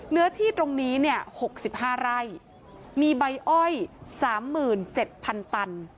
เนื้อที่ตรงนี้เนี่ย๖๕ไร่มีใบอ้อย๓๗๐๐ตัน